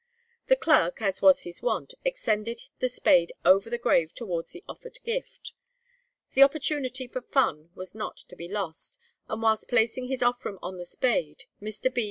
The clerk, as was his wont, extended the spade over the grave towards the offered gift. The opportunity for fun was not to be lost, and whilst placing his offrwm on the spade, Mr. B.